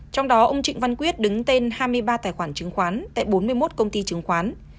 trong đó ông trịnh văn quyết đứng tên hai mươi ba tài khoản chứng khoán tại bốn mươi một công ty chứng khoán